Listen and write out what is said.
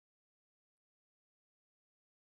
کله چې بیور خطر احساس کړي نو لکۍ په اوبو وهي